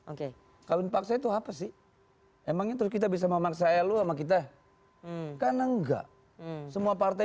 oke kawin paksa itu apa sih emang itu kita bisa memang saya lu sama kita kan nggak semua partai